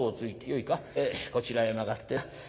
今度はこちらへ曲がって」。